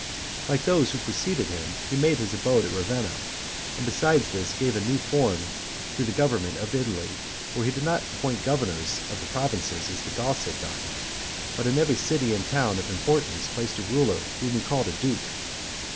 Like those who preceded him, he made his abode at Ravenna, and besides this, gave a new form to the government of Italy; for he did not appoint governors of provinces, as the Goths had done, but in every city and town of importance placed a ruler whom he called a duke.